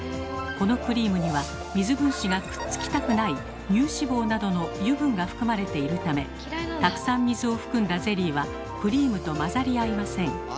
このクリームには水分子がくっつきたくない乳脂肪などの油分が含まれているためたくさん水を含んだゼリーはクリームと混ざり合いません。